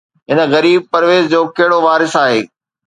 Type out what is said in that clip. هن غريب پرويز جو ڪهڙو وارث آهي؟